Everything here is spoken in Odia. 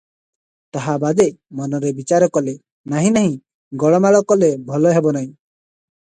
ତାହା ବାଦେ ମନରେ ବିଚାର କଲେ – “ନାହିଁ, ନାହିଁ, ଗୋଳମାଳ କଲେ ଭଲ ହେବ ନାହିଁ ।